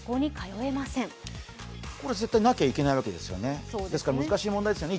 これは絶対なきゃいけないわけですよね。